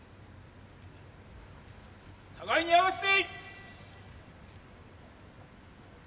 互いに合わせて。